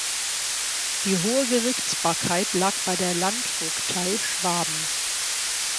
Die Hohe Gerichtsbarkeit lag bei der Landvogtei Schwaben.